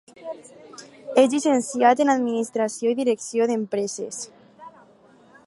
És llicenciat en administració i direcció d'empreses.